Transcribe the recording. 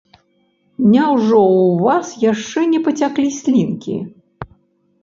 Няўжо ў вас яшчэ не пацяклі слінкі?